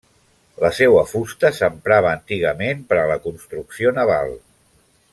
La seua fusta s'emprava antigament per a la construcció naval.